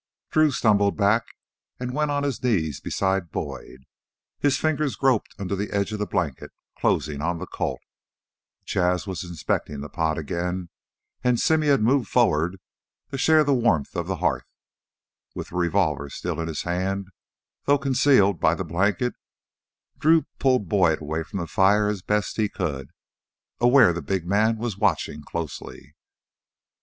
Drew stumbled back and went on his knees beside Boyd. His fingers groped under the edge of the blanket, closing on the Colt. Jas' was inspecting the pot again, and Simmy had moved forward to share the warmth of the hearth. With the revolver still in his hand, though concealed by the blanket, Drew pulled Boyd away from the fire as best he could, aware the big man was watching closely.